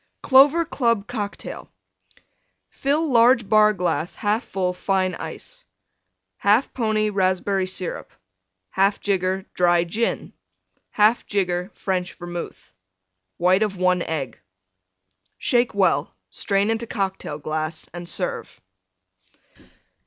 CLOVER CLUB COCKTAIL Fill large Bar glass 1/2 full Fine Ice. 1/2 pony Raspberry Syrup. 1/2 jigger Dry Gin. 1/2 jigger French Vermouth. White of 1 Egg. Shake well; strain into Cocktail glass and serve.